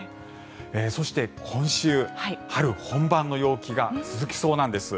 そして今週、春本番の陽気が続きそうなんです。